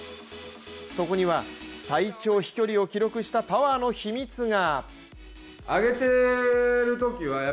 そこには最長飛距離を記録したパワーの秘密が。